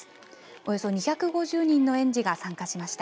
およそ２５０人の園児が参加しました。